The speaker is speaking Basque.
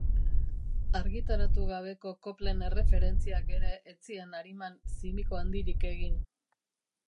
Argitaratu gabeko koplen erreferentziak ere ez zien ariman zimiko handirik egin.